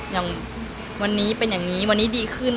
อย่างวันนี้เป็นอย่างนี้วันนี้ดีขึ้น